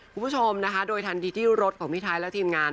คุณผู้ชมนะคะโดยทันทีที่รถของพี่ไทยและทีมงาน